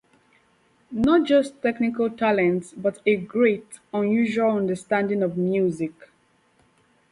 Not just technical talent but a great, unusual understanding of music.